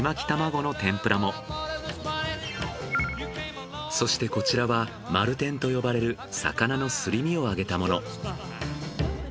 人気のそしてこちらは丸天と呼ばれる魚のすり身を揚げたもの。